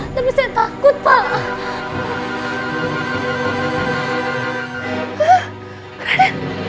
tapi saya takut pak